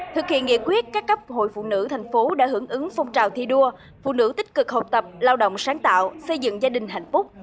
thực hiện nghị quyết các cấp hội phụ nữ thành phố đã hưởng ứng phong trào thi đua phụ nữ tích cực học tập lao động sáng tạo xây dựng gia đình hạnh phúc